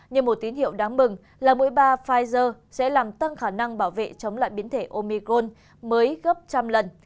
nhưng một tín hiệu đáng mừng là mũi ba pfizer sẽ làm tăng khả năng bảo vệ chống lại biến thể omi gron mới gấp trăm lần